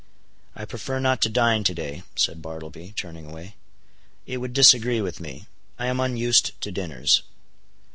"I prefer not to dine to day," said Bartleby, turning away. "It would disagree with me; I am unused to dinners."